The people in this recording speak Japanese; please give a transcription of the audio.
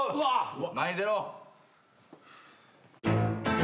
前に出ろ。